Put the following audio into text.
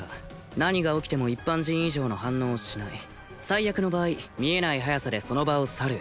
何が起きても一般人以上の反応をしない最悪の場合見えない速さでその場を去る